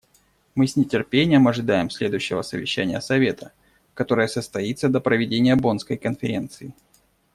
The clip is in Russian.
Мы с нетерпением ожидаем следующего совещания Совета, которое состоится до проведения Боннской конференции.